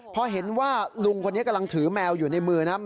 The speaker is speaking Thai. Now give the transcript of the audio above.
พอเห็นว่าลุงคนนี้กำลังถือแมวอยู่ในมือนะครับ